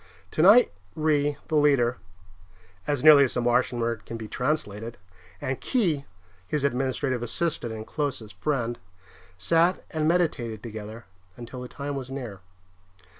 Tonight Ry, the leader (as nearly as the Martian word can be translated), and Khee, his administrative assistant and closest friend, sat and meditated together until the time was near.